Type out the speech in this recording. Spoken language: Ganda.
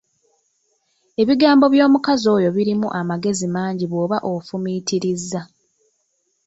Ebigambo by'omukazi oyo birimu amagezi mangi bwoba ofumiitiriza.